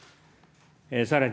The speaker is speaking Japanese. さらに、